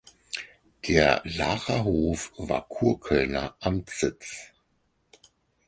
Der Laacher Hof war kurkölner Amtssitz.